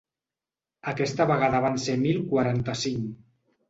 Aquesta vegada van ser mil quaranta-cinc.